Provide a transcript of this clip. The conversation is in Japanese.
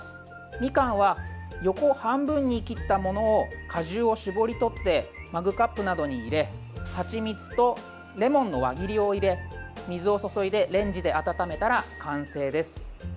みかんは横半分に切ったものを果汁を搾り取ってマグカップなどに入れはちみつとレモンの輪切りを入れ水を注いでレンジで温めたら完成です。